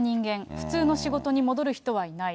普通の仕事に戻る人はいない。